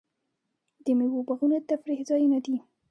د میوو باغونه د تفریح ځایونه دي.